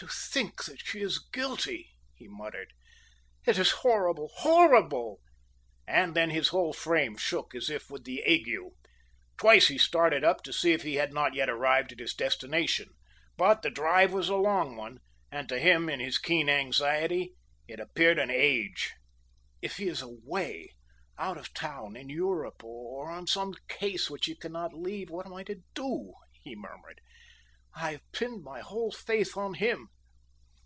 "To think that she is guilty!" he muttered. "It is horrible! Horrible!" And then his whole frame shook as if with the ague. Twice he started up, to see if he had not yet arrived at his destination. But the drive was a long one, and to him, in his keen anxiety, it appeared an age. "If he is away out of town in Europe, or on some case which he cannot leave, what am I to do?" he murmured. "I've pinned my whole faith on him."